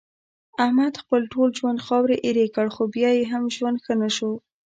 احمد خپل ټول ژوند خاورې ایرې کړ، خو بیا یې هم ژوند ښه نشو.